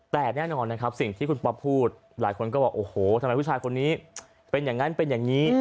แต่แน่นอนนะครับสิ่งที่คุณป๊อปพูดหลายคนก็บอกโอ้โหทำไมผู้ชายคนนี้เป็นอย่างนั้นเป็นอย่างนี้